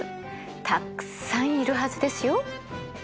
たくさんいるはずですよ。